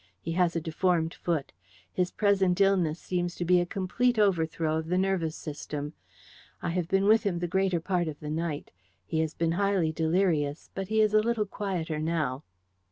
He has a deformed foot. His present illness seems to be a complete overthrow of the nervous system. I have been with him the greater part of the night. He has been highly delirious, but he is a little quieter now."